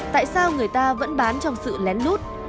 tại sao người ta vẫn bán trong sự lén lút